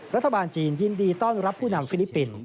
รัฐบาลจีนยินดีต้อนรับผู้นำฟิลิปปินส์